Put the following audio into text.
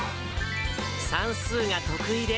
算数が得意で、